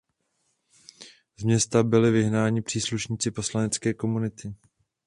Z města byli vyhnáni příslušníci polské komunity.